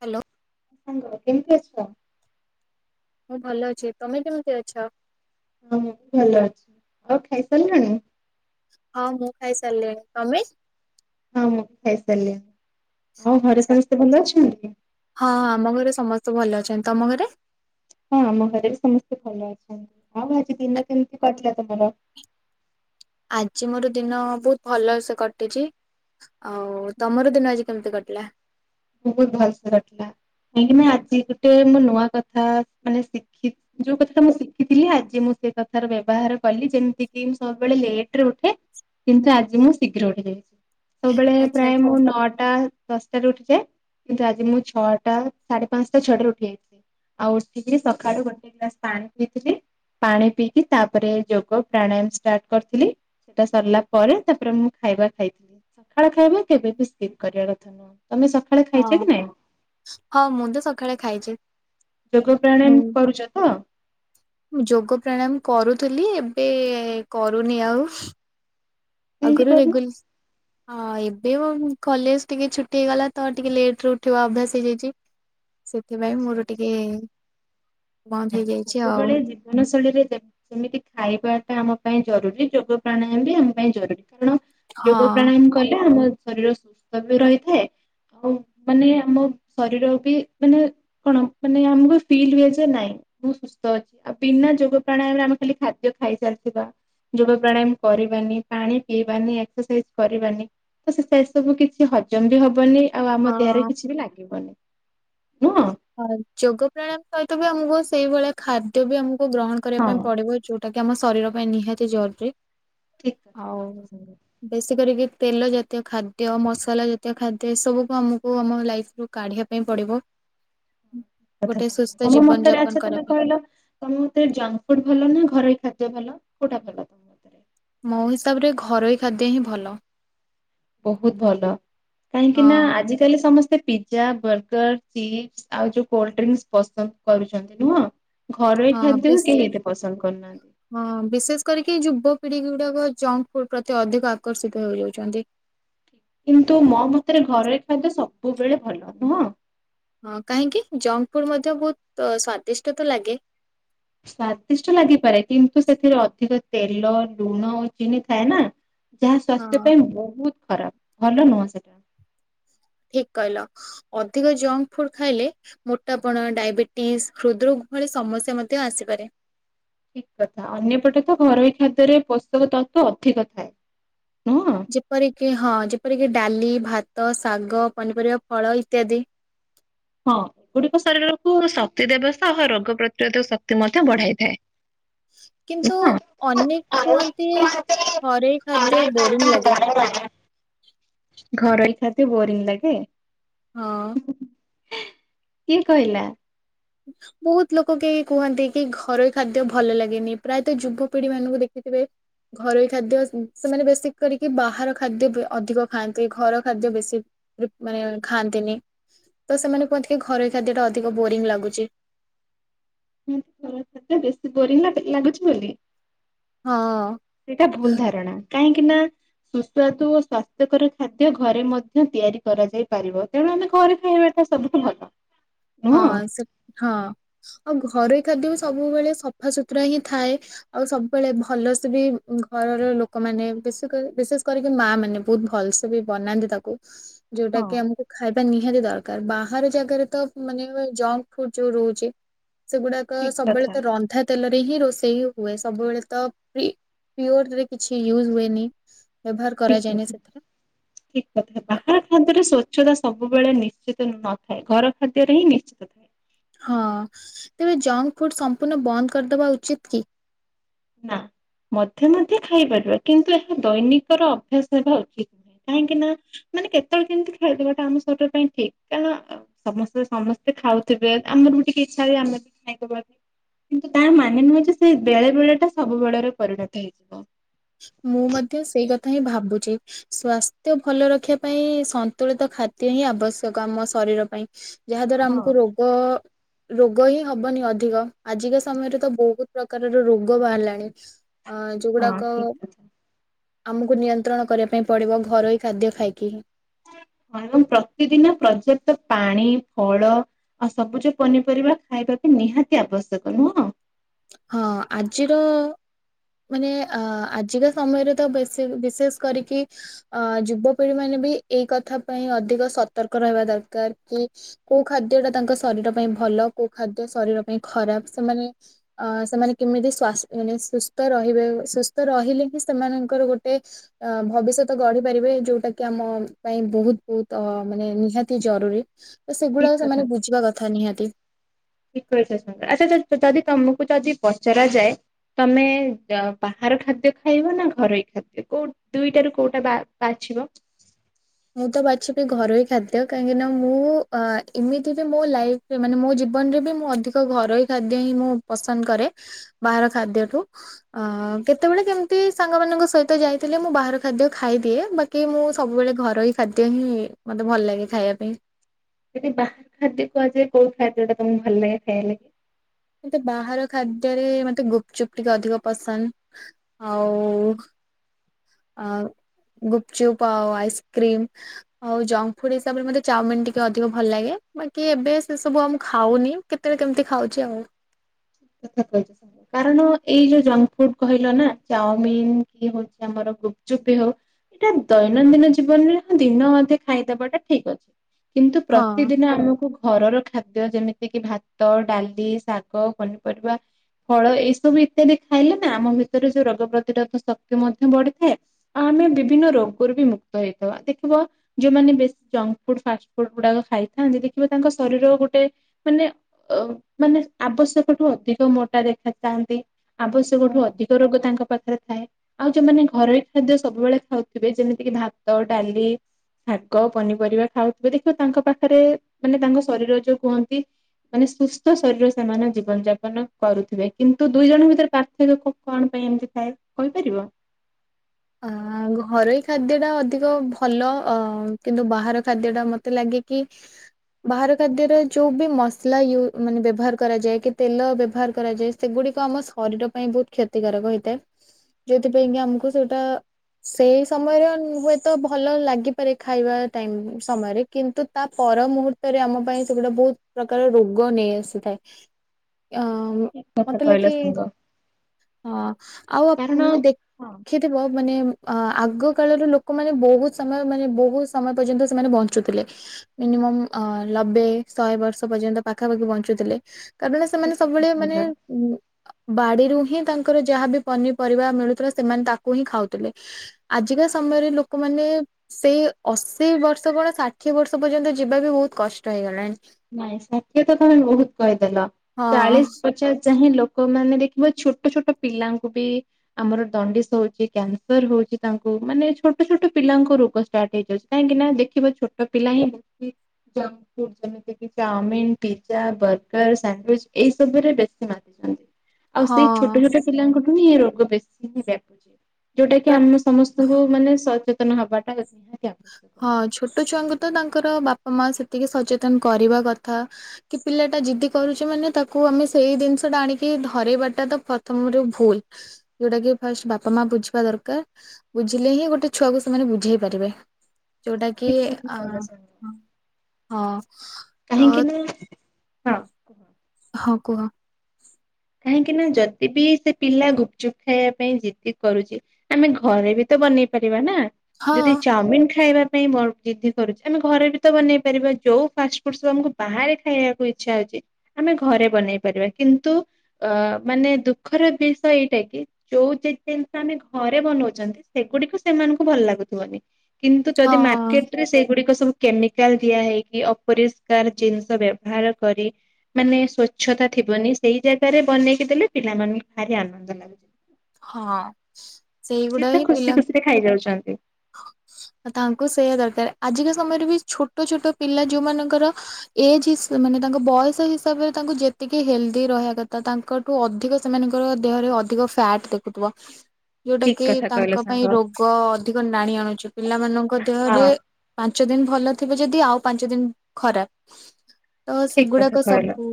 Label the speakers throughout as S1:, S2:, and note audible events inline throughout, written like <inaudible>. S1: Hello.
S2: ସାଙ୍ଗ କେମିତି ଅଛ।
S1: ମୁଁ ଭଲ ଅଛି ତମେ କେମିତି ଅଛ।
S2: ହ ମୁଁ ବି ଭଲ ଅଛି ଆଉ ଖାଇସାରିଲଣି।
S1: ହଁ ମୁଁ ଖାଇ ସାରିଲିଣି ତମେ।
S2: ହଁ ମୁଁ ବି ଖାଇସାରିଲିଣି ଆଉ ଘରେ
S1: ଆଚ୍ଛା
S2: ସମସ୍ତେ ଭଲ ଅଛନ୍ତି।
S1: ହଁ ଆମ ଘରେ ସମସ୍ତେ ଭଲ ଅଛନ୍ତି ତମ ଘରେ।
S2: ହଁ ଆମ ଘରେ ବି ସମସ୍ତେ ଭଲ ଅଛନ୍ତି ଆଉ ଆଜି ଦିନ କେମିତି କଟିଲା ତମର।
S1: ଆଜି ମୋର ଦିନ ବହୁତ ଭଲ ସେ କଟିଛି ଆଉ ତମର ଦିନ ଆଜି କେମିତି କଟିଲା।
S2: ବହୁତ ଭଲସେ କଟିଲା କାହିଁକିନା ଆଜି ଗୋଟେ ମୋ ନୂଆ କଥା ମାନେ ଶିଖିଚି ଯୋଉ କଥାଟା ମୁଁ ଶିଖିଥିଲି ଆଜି ମୁଁ ସେ କଥାର ବ୍ୟବହାର କଲି ଯେମିତିକି ମୁ ସବୁବେଳେ ଲେଟରେ ଉଠେ କିନ୍ତୁ ଆଜି ମୁଁ ଶୀଘ୍ର ଉଠି ଯାଇଛି। ସବୁବେଳେ
S1: ଆଚ୍ଛା
S2: ପ୍ରାୟ ମୁଁ
S1: ଆଚ୍ଛା।
S2: ନଅଟା ଦଶ। ଉଠିଯାଏ। କିନ୍ତୁ ଆଜି ମୁଁ ଛଅଟା ସାଢେ ପାଞ୍ଚଟା ଛଟାରେ ଉଠି ଯାଇଥିଲି ଆଉ ଉଠିକି ସକାଳୁ ଗୋଟେ ଗ୍ଲାସ ପାଣି ପିଇଥିଲି ପାଣି ପିଇକି ତାପରେ ଯୋଗ ପ୍ରାଣାୟାମ ଷ୍ଟାର୍ଟ କରିଥିଲି ସେଟା ସରିଲା ପରେ ତାପରେ ମୁଁ ଖାଇବା ଖାଇଥିଲି। ସଖାଳ ଖାଇବା କେବେ ବି ସ୍କିପ୍ କରିବା କଥା ନୁହଁ ତମେ ସଖା।
S1: ହଁ ହଁ ମୁଁ ତ ସକାଳେ ଖାଇଛି।
S2: ଯୋଗ
S1: ମୁଁ
S2: ପ୍ରାଣାୟାମ କରୁଛ ତ।
S1: ଯୋଗ ପ୍ରାଣାୟାମ କରୁଥିଲି ଏବେ କରୁନି ଆଉ।
S2: କାହିଁକି
S1: ଆଗରୁ
S2: କରୁନ?
S1: ରେଗୁଲାର। ହଁ ଏବେ କଲେଜ ଟିକେ ଛୁଟି ହେଇଗଲା ତ ଟିକେ ଲେଟରେ ଉଠିବା ଅଭ୍ୟାସ ହେଇଯାଇଛି। ସେଥିପାଇଁ
S2: ଆଚ୍ଛା
S1: ମୋର
S2: ଆଚ୍ଛା।
S1: ଟିକେ। ବନ୍ଦ ହେଇଯାଇଛି ଆଉ
S2: ସବୁବେଳେ ଜୀବନ। ରେ ସେମିତି ଖାଇବାଟା ଆମ ପାଇଁ ଜରୁରୀ ଯୋଗ ପ୍ରାଣାୟାମ ବି ଆମ ପାଇଁ ଜରୁରୀ। କାରଣ ଯୋଗ
S1: ହଁ।
S2: ପ୍ରାଣାୟାମ କଲେ ଆମ। ଶରୀର ସୁସ୍ଥ ବି ରହିଥାଏ ଆଉ ମାନେ ଆମ ଶରୀର ବି ମାନେ କଣ ମାନେ ଆମକୁ ଫିଲ୍ ହୁଏ ଯେ ନାଇଁ। ବହୁତ ସୁସ୍ଥ ଅଛି ଆଉ ବିନା ଯୋଗ ପ୍ରାଣାୟାମରେ ଆମେ ଖାଲି ଖାଦ୍ୟ ଖାଇସାରିଥିବା ଯୋଗ ପ୍ରାଣାୟାମ କରିବାନି ପାଣି ପିଇବାନି ଏକ୍ସରସାଇଜ କରିବାନି ତ ସେ ସେ ସବୁ କିଛି ହଜମ ବି ହବନି। ଆଉ ଆମ
S1: ହଁ
S2: ଦେହରେ କିଛି ବି ଲାଗିବନି। ନୁହଁ
S1: ହଁ ଯୋଗ ପ୍ରାଣାୟାମ ସହିତ ବି ଆମକୁ। ସେଇଭଳିଆ ଖାଦ୍ୟ ବି ଆମକୁ। ଗ୍ରହଣ କରିବା ପାଇଁ
S2: ହଁ।
S1: ପଡିବ ଯୋଉ। ସେଉଟାକି ଆମ ଶରୀର ପାଇଁ ନିହାତି ଜରୁରୀ।
S2: ଠିକ
S1: <inaudible>
S2: କଥା
S1: ଆଉ
S2: କହିଛ ସାଙ୍ଗ
S1: ବେଶୀ କରିକି ତେଲ ଜାତୀୟ ଖାଦ୍ୟ ମସଲା ଜାତୀୟ ଖାଦ୍ୟ ଏସବୁକୁ ଆମକୁ ଆମ ଲାଇଫ୍ରୁ କାଢ଼ିବା ପାଇଁ ପଡ଼ିବ।
S2: ଥା କହିଲ ତମ ମତରେ
S1: ଯାପନ
S2: ଆଛ
S1: କରିବା
S2: ତମେ
S1: ପାଇଁ
S2: କହିଲ ତମ ମତରେ ଜଙ୍କ ଫୁଡ ଭଲ ନା ଘରେ ଖା ଭଲ କୋଉଟା ଭଲ ତମ ମତରେ?
S1: ମୋ ହିସାବରେ ଘରୋଇ ଖାଦ୍ୟ ହିଁ ଭଲ।
S2: ବହୁତ ଭଲ। କାହିଁକି
S1: ହଁ
S2: ନା ଆଜିିକାଲି ସମସ୍ତେ ପିଜା ବର୍ଗର ଚିପ୍ସ ଆଉ ଯୋଉ କୋଲ୍ଡ ଡ୍ରିଙ୍କସ୍ ପସନ୍ଦ କରୁଛନ୍ତି ନୁହଁ। ଘରୋଇ
S1: ହଁ
S2: ଖାଦ୍ୟ କେହି
S1: ବିଶେଷ
S2: ଏତେ ପସନ୍ଦ କରୁନାହାନ୍ତି। <inaudible>
S1: କି ଯୁବପିଢି ଗୁଡାକ ଜଙ୍କ ଫୁଡ ପ୍ରତି ଅଧିକ ଆକର୍ଷିତ ହେଇଯାଉଛନ୍ତି।
S2: କିନ୍ତୁ ମୋ ମତରେ ଘରେ ଖାଇଦ୍ୟ ସବୁବେଳେ ଭଲ ନୁହଁ।
S1: ହଁ କାହିଁକି ଜଙ୍କ ଫୁଡ ମଧ୍ୟ ବହୁତ ସ୍ଵାଦିଷ୍ଟ ତ ଲାଗେ।
S2: ସ୍ଵାଦିଷ୍ଟ ଲାଗିପାରେ କିନ୍ତୁ ସେଥିରେ ଅଧିକ ତେଲ ଲୁଣ ଚିିନି ଏ ନା। ଯାହା
S1: ହଁ
S2: ଶ୍ୱାସ୍ଥ୍ୟ ପାଇଁ ବହୁତ ଖରାପ ଭଲ ନୁହଁ ସେଟା
S1: କହ ଅଧିକ ଜଙ୍କ ଫୁଡ ଖାଇଲେ ମୋଟାପଣ ଡାଇବେଟିସ୍ ହୃଦ୍ରୋଗ ଭଳି ସମସ୍ୟା ମଧ୍ୟ ଆସିପାରେ।
S2: ଠିକ କଥା ଅନ୍ୟପଟେ ତ ଘରୋଇ ଖାଦ୍ୟରେ ପୋଷକ ତତ୍ଵ ଅଧିକ ଥାଏ ନୁ
S1: ଯେପରିକି ହଁ ଯେପରିକି ଡାଲି ଭାତ ଶାଗ ପନିପରିବା ଫଳ ଇତ୍ୟାଦି।
S2: ହଁ ଏଗୁଡିକ ଶରୀରକୁ ଶକ୍ତି ଦେବସ୍ଥା ଓ ରୋଗ ପ୍ରତିରୋଧକ ଶକ୍ତି ମଧ୍ୟ ବଢାଇଥାଏ।
S1: କିନ୍ତୁ
S2: ହଁ
S1: ଅନେକ କୁହନ୍ତି। ଘରେ ଖାଦ୍ୟ ବୋରିଂ ଲାଗେ।
S2: ଘରୋଇ ଖାଦ୍ୟ ବୋରିଂ ଲାଗେ।
S1: ହଁ।
S2: କିଏ କହିଲା
S1: ବହୁତ ଲୋକ କେହି କୁହନ୍ତି କି ଘରୋଇ ଖାଦ୍ୟ ଭଲ ଲାଗେନି ପ୍ରାୟତଃ ଯୁବପିଢି ମାନଙ୍କୁ ଦେଖିଥିବେ ଘରୋଇ ଖାଦ୍ୟ ସେମାନେ ବେଶୀ କରିକି ବାହାର ଖାଦ୍ୟ ଅଧିକ ଖାଆନ୍ତି। ଘର ଖାଦ୍ୟ ବେଶୀ ମାନେ ଖାଆନ୍ତିନି ତ ସେମାନେ କୁହନ୍ତି। କି ଘରୋଇ ଖାଦ୍ୟ ଟା ଅଧିକ ବୋରିଂ ଲାଗୁଛି। ଜି
S2: ବେଶୀ ବୋରିଂ ଲାଗୁଛି ବୋଲି।
S1: ହଁ
S2: ସେଇଟା ଭୁଲ ଧାରଣା। କାହିଁକି ନା ସୁସ୍ୱାଦୁ ଓ ସ୍ଵାସ୍ଥ୍ୟକର ଖାଦ୍ୟ ଘରେ ମଧ୍ୟ ତିଆରି କରାଯାଇ ପାରିବ ତେଣୁ ଆମେ ଘରେ ଖାଇବାଟା ସବୁଠୁ ଭଲ।
S1: ହଁ
S2: ନୁହଁ।
S1: ସେ ହଁ। ଆଉ ଘରୋଇ ଖାଦ୍ୟ ବି ସବୁବେଳେ ସଫା ସୁୁତୁରା ହିଁ ଥାଏ। ଆଉ ସବୁବେଳେ ଭଲସେ ବି ଘରର ଲୋକମାନେ ବି ବିଶେଷ କରିକି ମାଆ ମାନେ ବହୁତ ଭଲସେ ବି ବନାନ୍ତି। ତାକୁ ଯୋଉଟା
S2: ହଁ
S1: କି ଆମକୁ ଖାଇବା ନିହାତି ଦରକାର। ବାହାର ଜାଗରେ ତ ମାନେ ଜଙ୍କ ଫୁଡ ଯୋଉ ରହୁଛି। ସେଗୁଡାକ
S2: ଠିକ
S1: ସବୁବେଳେ
S2: କଥା
S1: ତ ରନ୍ଧା ତେଲ ହ ରୋଷେଇ ହୁଏ ସବୁବେଳେ କିଛି ୟ ହୁଏନି। ବ୍ୟବହାର
S2: ଠିକ
S1: କରାଯାଏନି
S2: କଥା
S1: ସେଥିରେ
S2: ଠିକ କଥା
S1: ତ
S2: ବାହାର ଖାନ୍ତରେ ସ୍ୱଚ୍ଛତା ସବୁ। ସବୁବେଳେ ନିଶ୍ଚିତ ନଥାଏ ଘର ଖାଦ୍ୟରେ ହିଁ ନିଶ୍ଚିତ ଥାଏ
S1: ହଁ ତେବେ ଜଙ୍କଙ୍କ ଫୁଡ ସମ୍ପୂର୍ଣ୍ଣ ବନ୍ଦ କରିଦବା ଉଚିତ କି
S2: ନା ମଧ୍ୟ ମଧ୍ୟ ଖାଇପାରିବା କିନ୍ତୁ ଏହା ଦୈନିକର ଅଭ୍ୟାସ ହେବା ଉଚିତ ନୁହେଁ କାହିଁକି ନା ମାନେ କେତେବେଳେ ଯେମିତି ଖାଇଦବାଟା ଆମ ଶରୀର ପାଇଁ ଠିକ କ ସମସ୍ତେ ସମସ୍ତେ ଖାଉଥିବେ ଆମର ବି ଟିକେ ଇଚ୍ଛା ହ ଆମେ ବି ଖାଇଦବାନି କିନ୍ତୁ ତାର ମାନେ ନୁହେଁ ଯେ ସେ ବେଳେ ବେଳେ ସେ ସବୁ ବେଳରେ ପରିଣତ ହେଇଯିବ
S1: ମୁଁ ମଧ୍ୟ ସେଇ କଥା ହିଁ ଭାବୁଛି ସ୍ଵାସ୍ଥ୍ୟ ଭଲ ରଖିବା ପାଇଁ ସନ୍ତୁଳିତ ଖାଦ୍ୟ ହିଁ ଆବଶ୍ୟକ ଆମ ଶରୀର ପାଇଁ ଯାହା ଦ୍ଵାରା
S2: ହଁ।
S1: ଆମକୁ ରୋଗ ରୋଗ ହିଁ ହବନି ଅଧିକ ଆଜିକା ସମୟରେ ତ ବହୁତ ପ୍ରକାରର ରୋଗ ବାହାରିଲାଣି ଅ ଚଉଡ଼ା
S2: ହଁ
S1: କ
S2: ଠିକ କଥା
S1: ଆମକୁ ନିୟନ୍ତ୍ରଣ କରିବା ପାଇଁ ପଡ଼ିବ ଘରୋଇ ଖାଦ୍ୟ ଖାଇକି
S2: ଏବଂ ପ୍ରତିଦିନ ପର୍ଯ୍ୟାପ୍ତ ପାଣି ଫଳ ଆଉ ସବୁଜ ପନିପରିବା ଖାଇବାକୁ ନିହାତି ଆବଶ୍ୟକ ନୁହଁ
S1: ହଁ ଆଜିର ମାନେ ଅ ଆଜିକା ସମୟରେ ତ ବେଶୀ ବିଶେଷ କରିକି ଅ ଯୁବପିଢି ମାନେ ବି ଏଇ କଥା ପାଇଁ ଅଧିକ ସତର୍କ ରହିବା ଦରକାର କି କୋଉ ଖାଦ୍ୟ ଟା ତାଙ୍କ ଶରୀର ପାଇଁ ଭଲ କୋଉ ଖାଦ୍ୟ ଶରୀର ପାଇଁ ଖରାପ ସେମାନେ ଅ ସେମାନେ କେମିତିସ୍ ମାନେ ସୁସ୍ଥ ରହିବେ ସୁସ୍ଥ ରହିଲେ ହି ସେମାନଙ୍କର ଗୋଟେ ଅ ଭବିଷ୍ୟତ ଗଢି ପାରିବେ ଯୋଉଟା କି ଆମ ପାଇଁ ବହୁତ ବହୁତ ମାନେ ନିହାତି ଜରୁରୀ ତ ସେଗୁଡାକ
S2: ଠିକ କଥା
S1: ସେମାନେ ବୁଝିବା କଥା ନିହାତି।
S2: କହି ଠିକ କଛ ଆଚ୍ଛା ଦଦିମ ୁ ଯଦି ପଚରା ଯାଏ ତମେ ବାହାର ଖାଦ୍ୟ ଖାଇବ ନା ଘରୋଇ ଖାଦ୍ୟ କୋଉ ଦୁଇଟାରୁ କୋଉଟା ବାଛିବ
S1: ମୁଁ ତ ବାଛିବି ଘରୋଇ ଖାଦ୍ୟ କାହିଁକିନା ମୁଁ ଏମିତି ବି ମୋ ଲାଇଫରେ ମାନେ ମୋ ଜୀବନରେ ବି ମୁଁ ଅଧିକ ଘରୋଇ ଖାଦ୍ୟ ହିଁ ମୁଁ ପସନ୍ଦ କରେ ବାହାର ଖାଦ୍ୟଠୁ କେତେବେଳେ କେମିତି ସାଙ୍ଗ ମଙ୍କ ସହିତ ଯାଇଥିଲେ ମୁଁ ବାହାର ଖାଦ୍ୟ ଖାଇଦିଏ ବାକି ମୁଁ ସବୁବେଳେ ଘ ରହି ଖାଦ୍ୟ ହିଁ ମତେ ଭଲ ଲାଗେ ଖାଇବା ପାଇଁ
S2: ଯଦି ବାହାର ଖାଦ୍ୟ କୁହାଯାଏ କୋଉ ଖାଦ୍ୟ ଟା ତମକୁ ଭଲ ଲାଗେ ଖାଇବା ଲାଗି
S1: ମତେ ବାହାର ଖାଦ୍ୟରେ ମତେ ଗୁପଚୁପ୍ ଟିକେ ଅଧିକ ପସନ୍ଦ ଆଉ ଗୁପଚୁପ୍ ଆଉ ଆଇସ୍କ୍ରିମ ଆଉ ଜଙ୍କ ଫୁଡ ହିସାବରେ ମତେ ଚାଉମିନ ଟିକେ ଅଧିକ ଭଲ ଲାଗେ ବାକି ଏବେ ସେ ସବୁ ଆମ ଖାଉନି କେତେବେଳେ କେମିତି ଖାଉଛି ଆଉ
S2: କଥା କଛ ସାଙ୍ଗ କାରଣ ଏଇ ଯୋଉ ଜଙ୍କ ଫୁଡ କହିଲ ନା ଚାଉମିିନ କି ହଉଛି ଆମର ଗୁପଚୁପି ହଉ ଏଇଟା ଦୈନନ୍ଦିନ ଜୀବନରେ ହଁ ଦିନ ଅଧେ ଖାଇଦବାଟା ଠିକ ଅଛି କିନ୍ତୁ
S1: ହଁ
S2: ପ୍ରତିଦିନ ଆମକୁ ଘରର ଖା ଖାଦ୍ୟ ଯେମିତି କିି ଭାତ ଡାଲି ଶାଗ ଫଳ ଏଇ ସବୁ ଇତ୍ୟାଦି ଖାଇଲେ ନା ଆମ ଭିତରେ ଯୋଉ ରୋଗ ପ୍ରତିରୋଧ ଶକ୍ତି ମଧ୍ୟ ବଢିଥାଏ ଆଉ ଆମେ ବିଭିନ୍ନ ରୋଗରୁ ବି ମୁକ୍ତ ହେଇଥିବା ଦେଖିବ ଯୋଉମାନେ ବେଶୀ ଜଙ୍କ ଫୁଡ ଫାଷ୍ଟ ଫୁଡ ଗୁଡାକ ଖାଇଥାନ୍ତି ଦେଖିବ ତାଙ୍କ ଶରୀର ଗୋଟେ ମାନେ ମାନେ ଆବଶ୍ୟକ ତାଠୁ ଅଧିକ ମୋଟା ଦେଖା ଯାଆନ୍ତି ଆବଶ୍ୟକ ଠୁ ଅଧିକ ରୋଗ ତାଙ୍କ ପାଖରେ ଥାଏ ଆଉ ଯୋଉମାନେ ଘରୋଇ ଖାଦ୍ୟ ସବୁବେଳେ ଖାଉଥିବେ ଯେମିତି କିି ଭାତ ଡାଲି ଶାଗ ପନିପରିବା ଖାଉଥିବେ ଦେଖିବ ତାଙ୍କ ପାଖରେ ମାନେ ତାଙ୍କ ଶରୀର ଯୋଉ କୁହନ୍ତି ମାନେ ସୁସ୍ଥ ଶରୀର ସେମାନେ ଯ ଜୀବନ ଯାପନ କରୁଥିବେ କିନ୍ତୁ ଦୁଇ ଜଣଙ୍କ ଭିତରେ ପାର୍ଥକ୍ୟ କଣ ପାଇଁ ଏମିତି ଥାଏ କହିପାରିବ
S1: ଅ ଘରୋଇ ଖାଦ୍ୟ ଟା ଅଧିକ ଭଲ ଅ କିନ୍ତୁ ବାହାର ଖାଦ୍ୟ ଟା ମତେ ଲାଗେ କି ବାହାର ଖାଦ୍ୟର ଯୋଉ ବି ମସଲା ୟ ମାନେ ବ୍ୟବହାର କରାଯାଏ କି ତେଲ ବ୍ୟବହାର କରାଯାଏ ସେଗୁଡିକ ଆମ ଶରୀର ପାଇଁ ବହୁତ କ୍ଷତିକାରକ ହେଇଥାଏ ଯଉଥିପାଇଁ କି ଆମକୁ ସେ ତ ସେଇ ସମୟରେ ହୁଏତ ଭଲ ଲାଗିପାରେ ଖାଇବା ଟାଇ ସମୟରେ କିନ୍ତୁ ତା ପର ମୁହୂର୍ତ୍ତରେ ଆମ ପାଇଁ ସେଗୁଡା ବହୁତ ପ୍ରକାର ରୋଗ ନେଇ ଆସିଥାଏ ଅ
S2: ଠିକ କଥା
S1: ମତେ
S2: କହିଲ
S1: ଲଖି
S2: ସାଙ୍ଗ
S1: ହଁ ଆଉ
S2: କାରଣ
S1: ମାନେ
S2: ହଁ।
S1: ଦେଖ ମାନେ ଅ ଆଗ କାଳର ଲୋକମାନୋନେ ବହୁତ ସମୟ ମାନେ ବହୁତ ସମୟ ପର୍ଯ୍ୟନ୍ତ ସେମାନେ ବଞ୍ଚୁଥିଲେ ମିନିମମ୍ ନବେ ଶହେ ବର୍ଷ ପର୍ଯ୍ୟନ୍ତ ପାଖାପାଖି ବଞ୍ଚୁଥିଲେ କାରଣ ସେମାନେ
S2: ଠିକ
S1: ସବୁବେଳେ
S2: କଥା
S1: ମାନେ
S2: କହିଲ।
S1: ଉ ବାଡିରୁ ହିଁ ତାଙ୍କର ଯାହାବି ପନିପରିବା ମିଳୁଥିଲା ସେମାନେ ତା କୁ ହିଁ ଖାଉଥିଲେ ଆଜିକା ସମୟରେ ଲୋକମାନେ ସେଇ ଅଶୀ ବର୍ଷ କ ଷାଠିଏ ବର୍ଷ ପର୍ଯ୍ୟନ୍ତ ଯିବା ବି ବହୁତ କଷ୍ଟ ହେଇଗଲାଣି
S2: ନାଇଁ ସାଥି ତ ତମେ ବହୁତ କହିଦେଲ
S1: ହଁ
S2: ଚାଳିଶ ପଚାଶ ଯାାଇ ଲ ଲୋକ ମାନେ ଦେଖିବ ଛୋଟ ଛୋଟ ପିଲାଙ୍କୁ ବି ଆମର ଦଣ୍ଡିସ ହଉଛି କ୍ୟାନସର ହଉଛି ତାଙ୍କୁ ମାନେ ଛୋଟ ଛୋଟ ପିଲାଙ୍କୁ ରୋଗ ଷ୍ଟାର୍ଟ ହେଇଯାଉଛି କାହିଁକି ନା ଦେଖିବ ଛୋଟ ପିଲା ହିଁଙ୍କ ଫୁଡ ଯେମିତି। ଚାଉମିିନ ପିଜ୍ଜା ବର୍ଗର ସାଣ୍ଡିଚ ଏଇ ସବୁ ରେ ବେଶୀ ମାଧଛନ୍ତି ଆଉ ସେଇ ଛୋଟ
S1: ହଁ
S2: ଛୋଟ ପିଲାଙ୍କଠୁ ର ବେଶୀ ବ୍ୟାପୁଛି ଯୋଉଟା କି
S1: ପ୍ର
S2: ଆମ ସମସ୍ତଙ୍କୁ ମାନେ ସଚ ତନ ହବାଟା ନିହା
S1: ହଁ ଛୋଟ ଛୁଆଙ୍କୁ ତ ତା ଙ୍କର ବାପା ମା ସେତିକି ସଚେତନ୍ କରିବା କଥା କି ପିଲା ଟା ଯିଦି କରୁଛି ମାନେ ତାକୁ ଆମେ ସେଇ ଜିନିଷ ଟା ଆଣିକି ଧରେଇବାଟା ତ ପ୍ରଥମରୁ ଭୁଲ୍ ଯୋଉଟା କି ଫାଷ୍ଟ୍ ବାପା ମା ବୁଝିବା ଦରକାର୍ ବୁଝିଲେ ହିଁ ଗୋଟେ ଛୁଆକୁ ସେମାନେ ବୁଝେଇ ପାରିବେ। ଯୋଉଟା କି
S2: ଠିକ କଥା
S1: ଆଁ
S2: କହିଲ ସାଙ୍ଗ
S1: ହଁ। ହଁ।
S2: କାହିଁକି
S1: ତ
S2: ନା ହଁ କୁହ।
S1: ହଁ କୁହ।
S2: କାହିଁକି ନା ଯଦି ବି ସେ ପିଲା ଗୁପଚୁପ ଖାଇବା ପାଇଁ ଜିଦି କରୁଛି ଆମେ ଘରେ ବି ତ ବନେଇ ପାରିବା ନା।
S1: ହଁ
S2: ଯଦି ଚାଉମିନ ଖାଇବା ପାଇଁ ଜିଦି କରୁଛି ଆମେ ଘରେ ବି ତ ବନେଇ ପାରିବା ଯଉ ଫାଷ୍ଟ ଫୁଡ ସବୁ ଆମକୁ ବାହାରେ ଖାଇବାକୁ ଇଚ୍ଛା ହଉଛି ଆମେ ଘରେ ବନେଇ ପାରିବା କିନ୍ତୁ ଅ ମାନେ ଦୁଃଖର ବିଷୟ ଏଇଟା କି ଯୋଉ ଜିନିଷ ଆମେ ଘରେ ବନଉଛନ୍ତି ସେଗୁଡିକୁ ସେମାନଙ୍କୁ ଭଲ ଲାଗୁଥିବନି। କିନ୍ତୁ ଯଦି
S1: ହଁ
S2: ମାର୍କେଟ ରେ ସେ ଗୁଡିକ ସବୁ କେମିକାଲ ଦିଆ ହେଇକି ଅପରିଷ୍କାର ଜିନିଷ ବ୍ୟବହାର କରି ମାନେ ସ୍ଵଚ୍ଛତା ଥିବନି ସେଇ ଯାଗ ରେ ବନେଇକି ଦେଲେ ପିଲାମାନଙ୍କୁ ଭାରି ଆନନ୍ଦ ଲାଗୁଛି।
S1: ହଁ।
S2: ସେ
S1: ସେଇଗୁଡା
S2: ତ
S1: ହିଁ
S2: ଖୁସି
S1: ପିଲା
S2: ଖୁସିରେ ଖାଇଯାଉଛନ୍ତି।
S1: ତାଙ୍କୁ ସେଇଆ ଦରକାର ଆଜିକା ସମୟରେ ବି ଛୋଟ ଛୋଟ ପିଲା ଯୋଉମାନଙ୍କର ଏଜ୍ ହିସ୍ ମାନେ ତାଙ୍କ ବୟସ ହିସାବରେ ତାଙ୍କୁ ଯେତିକି ହେଲଦି ରହିବା କଥା ତାଙ୍କଠୁ ଅଧିକ ସେମାନଙ୍କର ଦେହରେ ଅଧିକ ଫ୍ୟାଟ ଦେଖୁଥିବ। ଯୋଉଟା
S2: ଠିକ
S1: କି
S2: କଥା କହିଲ
S1: ତାଙ୍କ ପାଇଁ
S2: ସାଙ୍ଗ
S1: ରୋଗ ନାଣି ଆଣୁଛ ପିଲାମାନଙ୍କ
S2: ହଁ
S1: ଦେହରେ ପା ଞ୍ଚ ଦିନ ଭଲ ଥିବ ଯଦି ଆଉ ପାଞ୍ଚ ଦିନ ଖରାପ। ତ
S2: ଠିକ କଥା
S1: ସେଗୁଡାକ
S2: କହିଲ
S1: ସବୁ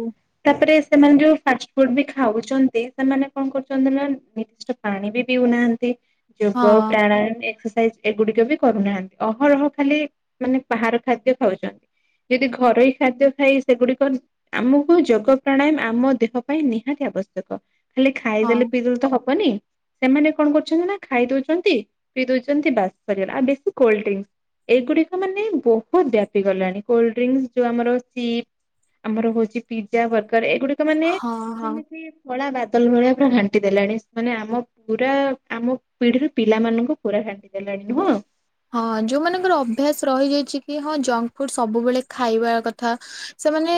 S2: ତାପରେ ସେମାନେ ଯୋଉ ଫାଷ୍ଟ ଫୁଡ ବି ଖାଉଛନ୍ତି ସେମାନେ କଣ କରୁଛନ୍ତି ନା ଠିକ୍ ସେ ପାଣି ବି ପିଉନାହାନ୍ତି।
S1: ହଁ
S2: ଯୋଗ ପ୍ରାଣାୟ ଏକ୍ସ୍ ସାଇଜ୍ ଏଗୁଡିକ ବି କରୁନାହାନ୍ତି ଅହରହ ଖାଲି ମାନେ ବାହାର ଖାଦ୍ୟ ଖାଉଛନ୍ତି ଯଦି ଘରୋଇ ଖାଦ୍ୟ ଖାଇ ସେଗୁଡିକ ଆମକୁ ଯୋଗ ପ୍ରାଣାୟାମ ଆମ ଦେହ ପାଇଁ ନିହାତି ଆବଶ୍ୟକ। ଖାଲି
S1: ହଁ
S2: ଖାଇଦେଲେ ପିଇଦେଲେ ତ ହ ବନି ସେମାନେ କଣ କରୁଛନ୍ତି ନା ଖାଇ ଦଉଛନ୍ତି ପିଇ ଦଉଛନ୍ତି ବାସ କର ଆଉ ବେଶୀ କୋଲଡ ଡ୍ରିଙ୍କସ ଏଇଗୁଡିକ ମାନେ ବହୁତ ବ୍ୟାପି ଗଲାଣି କୋଲଡ ଡ୍ରିଙ୍କସ ଯୋଉ ଆମର ସି ଆମର ହଉଛି ପିଜ୍ଜା ବର୍ଗ ର୍ ଏଗୁଡିକ ମାନେ
S1: ହଁ ହଁ
S2: ଯେମିତି ଫଳା ବା ତଲ୍ ଭଳିଆ ପୁରା ଘାଣ୍ଟି ଦେଲାଣି ମାନେ ଆମ ପୁରା ଆମ ପିଢିରୁ ପିଲାମାନଙ୍କୁ ପୁରା ଘାଣ୍ଟି ଦେଲାଣି ନୁହଁ?
S1: ହଁ ଯୋଉମାନଙ୍କର ଅଭ୍ୟାସ ରହିଯାଇଛି କି ହଁ ଜଙ୍କ ଫୁଡ ସବୁବେଳେ ଖାଇବା କଥା ସେମାନେ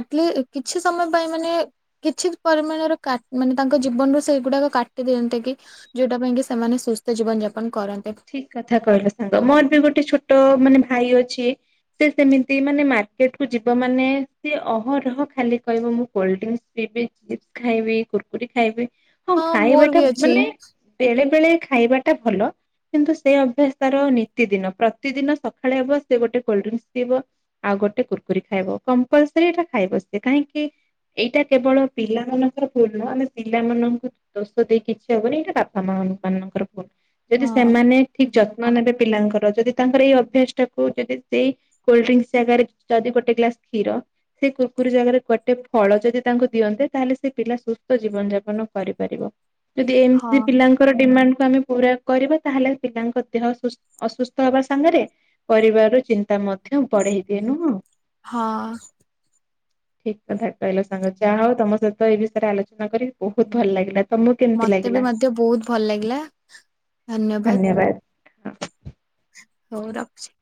S1: ଆଟଲି କିଛି ସମୟ ପାଇଁ ମାନେ କିଛି ପରିମାଣର ମାନେ ତାଙ୍କ ଜୀବନରୁ ସେଗୁଡାକ କାଟି ଦିଅନ୍ତେ କି ଯୋଉଟା ପାଇଁ କି ସେମାନେ ସୁସ୍ଥ ଜୀବନ ଯାପନ କରନ୍ତେ।
S2: ଥା କହିଲ ସାଙ୍ଗ ମୋର ବି ଗୋଟେ ଛୋଟ ମାନେ ଭାଇ ଅଛି ସେ ସେମିତି ମାନେ ମାର୍କେଟ କୁ ଯିବ ମାନେ ସିଏ ଅହରହ ଖାଲି କହିବ ମୁଁ କୋଲଡ ଡ୍ରିଙ୍କସ ପିଇବି ଚିପ୍ସ ଖାଇବି କୁୁରକୁରି ଖାଇବି। ହଁ
S1: ମୋର
S2: ଖାଇବାଟା
S1: ବି ଅଛି
S2: ମାନେ ବେଳେ ବେଳେ ଖାଇବାଟା ଭଲ। କିନ୍ତୁ ସେଇ ଅଭ୍ୟାସ ତାର ନିତି ଦିନ ପ୍ରତିଦିନ ସକାଳେ ହବ ସେ ଗୋଟେ କୋଲ୍ଡ ଡ୍ରିଙ୍କସ ଥିବ ଆଉ ଗୋଟେ କୁୁରକୁରି ଖାଇବ କମ୍ପଲସରି ଏଇଟା ଖାଇବ ସି କାହିଁକି ଏଇଟା କେବଳ ପିଲା ମାନଙ୍କର ଭୁଲ ନୁହଁ ଆମେ ପିଲାମାନଙ୍କୁ ଦୋଷ ଦେଇ କିଛି ହବନି ଏଇଟା ବାପା ମା ମାନଙ୍କର। ଯଦି।
S1: ହଁ।
S2: ସେମାନେ ଠିକ ଯ। <unintelligible> ପିଲାଙ୍କର ଯଦି ତାଙ୍କର ଏଇ ଅଭ୍ୟାସ ଟାକୁ ଯଦି ସେଇ କୋଲଡ ଡ୍ରିଙ୍କ ଜାଗାରେ ଯଦି ଗୋଟେ ଗ୍ଲାସ କ୍ଷୀର ସେ କୁକୁର ଜାଗାରେ ଗୋଟେ ଫଳ ଯଦି ତାଙ୍କୁ ଦିଅନ୍ତେ ତାହେଲେ ସେ ପିଲା ସୁସ୍ଥ ଜୀବନ ଯାପନ କରିପାରିବ। ଯଦି
S1: ହଁ
S2: ଏମତି ପିଲାଙ୍କର ଡିମାଣ୍ଡ। ଆମେ ପୁରା କରିବା। ତାହେଲେ ପିଲାଙ୍କ ଦେହ ସୁ ଅସୁସ୍ଥ ହବା ସାଙ୍ଗରେ ପରିବାର ର ଚିନ୍ତା ମଧ୍ୟ ବଢେଇ ଦିଏ ନୁହଁ।
S1: ହଁ।
S2: ଠିକ କଥା କହିଲ ସାଙ୍ଗ ଯାହା ହଉ ତମ ସହିତ ଏ ବିଷୟରେ ଆଲୋଚନା କରିି ବହୁତ ଭଲ ଲାଗିଲା। ତମକୁ କେମିତି
S1: ମତେ
S2: ଲାଗିଲା?
S1: ବି ମଧ୍ୟ ବହୁତ ଭଲ ଲାଗିଲା।
S2: ଧନ୍ୟବାଦ।
S1: ହଉ ରଖୁଛି।